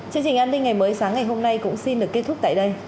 chương trình an ninh ngày mới sáng ngày hôm nay cũng xin được kết thúc tại đây